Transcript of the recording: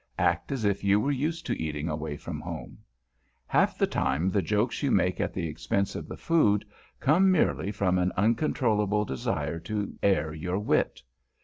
Act as if you were used to eating away from home. Half the time the jokes you make at the expense of the food come merely from an uncontrollable desire to air your wit.